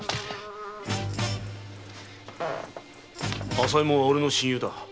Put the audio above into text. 朝右衛門はおれの親友だ。